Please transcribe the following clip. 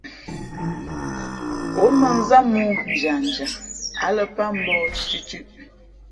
Ǒ mᾱnzám mōō ndiandia, ǎ lα pát mbōh tʉtʉ̄ʼ.